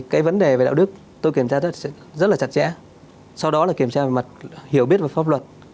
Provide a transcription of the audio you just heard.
cái vấn đề về đạo đức tôi kiểm tra rất rất là chặt chẽ sau đó là kiểm tra mặt hiểu biết và pháp luật